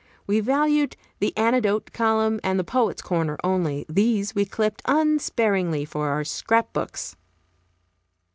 We valued the anecdote column and the poet's corner only; these we clipped unsparingly for our scrap books.